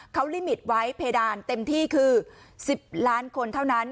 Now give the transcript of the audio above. เขาลิมิตไว้เพดานเต็มที่คือ๑๐ล้านคนเท่านั้น